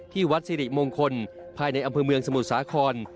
วัดสิริมงคลภายในอำเภอเมืองสมุทรสาคร